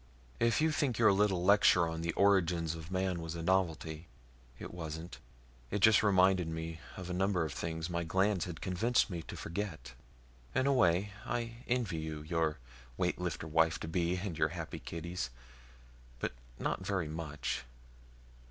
"If you think your little lecture on the Origins of Man was a novelty, it wasn't. It just reminded me of a number of things my glands had convinced me to forget. In a way, I envy you your weightlifter wife to be, and your happy kiddies. But not very much.